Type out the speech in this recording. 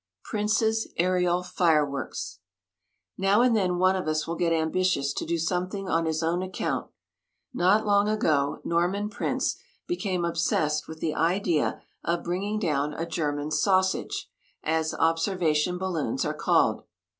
PRINCE'S AËRIAL FIREWORKS Now and then one of us will get ambitious to do something on his own account. Not long ago Norman Prince became obsessed with the idea of bringing down a German "sausage," as observation balloons are called.